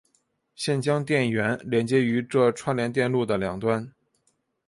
现将电源连接于这串联电路的两端。